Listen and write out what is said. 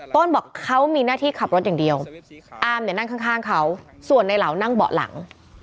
ต้นบอกเขามีหน้าที่ขับรถอย่างเดียวอามเนี่ยนั่งข้างเขาส่วนในเหล่านั่งเบาะหลัง